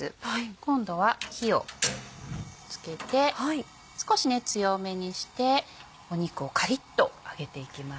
今度は火を付けて少し強めにして肉をカリっと揚げていきます。